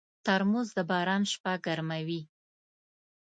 ترموز د باران شپه ګرموي.